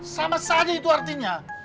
sama saja itu artinya